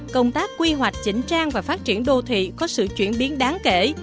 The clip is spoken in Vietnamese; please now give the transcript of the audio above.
công tác quy hoạch chỉnh trang và phát triển đô thị có sự chuyển biến đáng kể